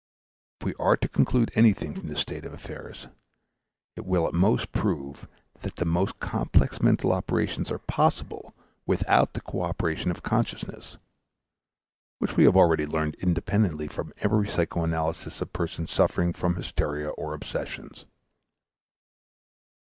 If we are to conclude anything from this state of affairs, it will at most prove that the most complex mental operations are possible without the coöperation of consciousness, which we have already learned independently from every psychoanalysis of persons suffering from hysteria or obsessions.